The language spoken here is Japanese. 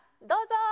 どうぞ！